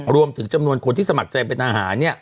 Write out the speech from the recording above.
รวมถึงจำนวนคนที่สมัครใจเป็นอาหาร